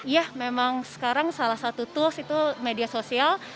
ya memang sekarang salah satu tools itu media sosial